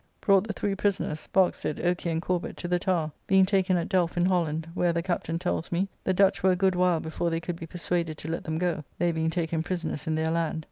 ] brought the three prisoners, Barkestead, Okey, and Corbet, to the Tower, being taken at Delfe in Holland; where, the Captain tells me, the Dutch were a good while before they could be persuaded to let them go, they being taken prisoners in their land.